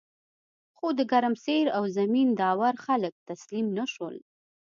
خو د ګرمسیر او زمین داور خلک تسلیم نشول.